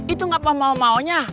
itu gak apa mau maunya